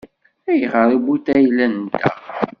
Ayɣer i wwin ayla-nteɣ?